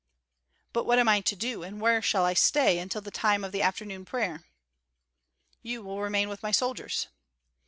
"But what am I to do and where shall I stay until the time of the afternoon prayer?" "You will remain with my soldiers."